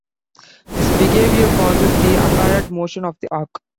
This behaviour causes the apparent motion of the arc.